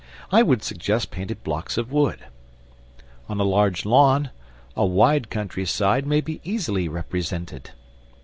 I would suggest painted blocks of wood. On a large lawn, a wide country side may be easily represented.